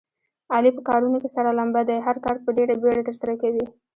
علي په کارونو کې سره لمبه دی. هر کار په ډېره بیړه ترسره کوي.